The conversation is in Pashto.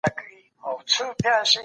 د کليوالو مهاجرت ښارونه ګڼه ګوڼه کوي.